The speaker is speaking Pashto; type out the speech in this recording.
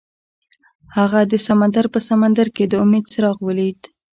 هغه د سمندر په سمندر کې د امید څراغ ولید.